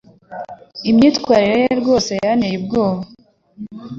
Imyitwarire ye rwose yanteye ubwoba.